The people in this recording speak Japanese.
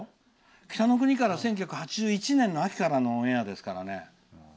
「北の国から」１９８１年の秋からのオンエアですからね。